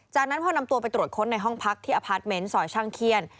จากนั้นพอนำตัวไปตรวจค้นในห้องพักที่อพาร์ทเมนต์ซอยช่างเขี้ยน